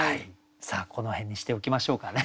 この辺にしておきましょうかね。